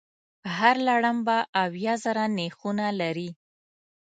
هر لړم به اویا زره نېښونه لري.